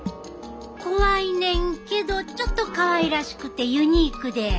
怖いねんけどちょっとかわいらしくてユニークで。